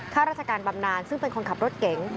ข้าราชการบำนานซึ่งเป็นคนขับรถเก๋ง